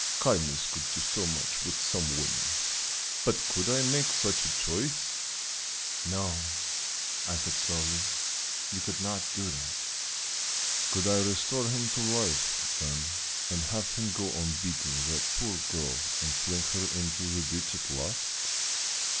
Kindness could do so much with some women. But could I make such a choice?" "No," I said slowly, "you could not do that." "Could I restore him to life, then, and have him go on beating that poor girl and flinging her into the ditch at last?"